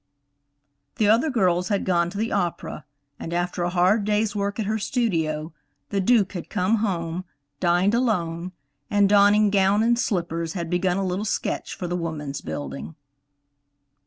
The other girls had gone to the opera, and after a hard day's work at her studio, the Duke had come home, dined alone, and donning gown and slippers had begun a little sketch for the Woman's Building.